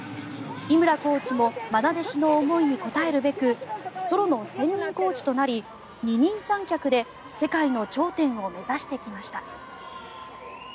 井村コーチもまな弟子の思いに応えるべくソロの専任コーチとなり二人三脚で世界の頂点を目指してきました。